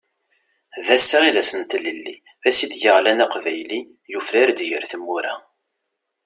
D ass-a i d ass n tlelli, d ass ideg aɣlan aqbayli, yufrar-d ger tmura.